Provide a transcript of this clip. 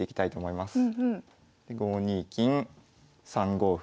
５二金３五歩。